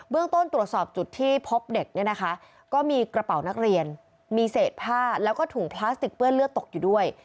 ต้นตรวจสอบจุดที่พบเด็กเนี่ยนะคะก็มีกระเป๋านักเรียนมีเศษผ้าแล้วก็ถุงพลาสติกเปื้อนเลือดตกอยู่ด้วย